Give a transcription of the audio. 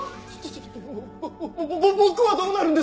ちょぼ僕はどうなるんですか！？